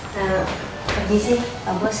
nah pergi sih pak bos